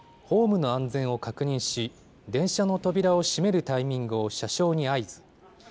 ホームの安全を確認し、電車の扉を閉めるタイミングを車掌に合図。